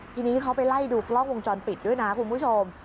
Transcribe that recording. ทีนี้เขาไปไล่ดูกล้องวงจรปิดด้วยนะคุณผู้ชม